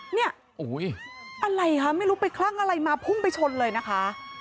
เนี่ยโอ้โหอะไรคะไม่รู้ไปคลั่งอะไรมาพุ่งไปชนเลยนะคะ